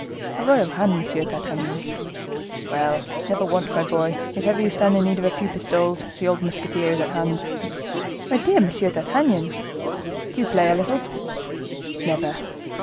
"A royal hand, Monsieur d'Artagnan." "Well, never want, my boy! If ever you stand in need of a few pistoles, the old musketeer is at hand." "My dear Monsieur d'Artagnan!" "Do you play a little?" "Never."